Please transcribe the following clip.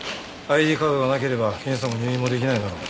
ＩＤカードがなければ検査も入院もできないだろう。